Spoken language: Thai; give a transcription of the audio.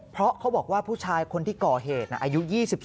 เพราะเขาบอกว่าผู้ชายคนที่ก่อเหตุอายุ๒๒